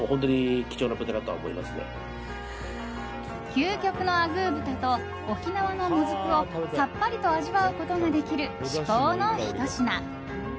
究極のあぐー豚と沖縄のモズクをさっぱりと味わうことができる至高のひと品。